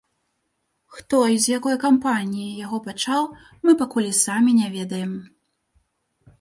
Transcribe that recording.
Хто і з якой кампаніі яго пачаў мы пакуль і самі не ведаем.